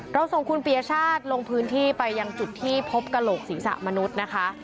ส่งคุณปียชาติลงพื้นที่ไปยังจุดที่พบกระโหลกศีรษะมนุษย์นะคะ